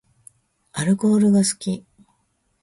アルコールが好き